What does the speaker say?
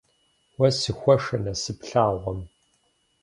Уэ сыхуэшэ насып лъагъуэм.